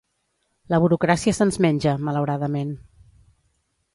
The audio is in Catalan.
La burocràcia se'ns menja, malauradament.